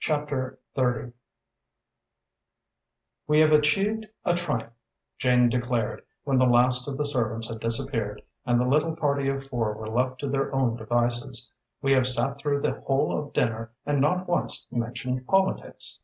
CHAPTER XVI "We have achieved a triumph," Jane declared, when the last of the servants had disappeared and the little party of four were left to their own devices. "We have sat through the whole of dinner and not once mentioned politics."